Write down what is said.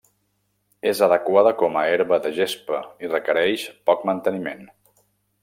És adequada com a herba de gespa i requereix poc manteniment.